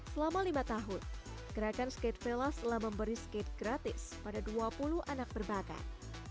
selama lima tahun gerakan skate vella telah memberi skate gratis pada dua puluh anak berbakat